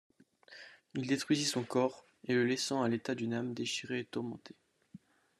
Il détruisit son corps et le laissant à l’état d’une âme déchirée et tourmentée.